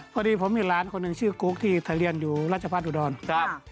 พอดีผมมีหลานคนหนึ่งชื่อกุ๊กที่ทะเรียนอยู่ราชพัฒนอุดรครับ